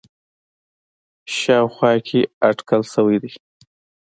ه شاوخوا کې اټکل شوی دی